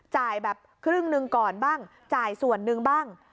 จ่ายแบบครึ่งหนึ่งก่อนบ้างจ่ายส่วนหนึ่งบ้าง